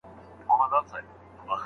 که زده کړه وي نو ناپوهي نه پاتې کېږي.